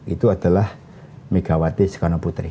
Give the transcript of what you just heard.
itu adalah megawati sekonoputri